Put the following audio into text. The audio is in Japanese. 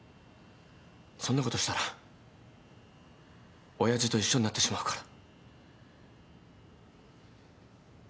そんなことしたら親父と一緒になってしまうから。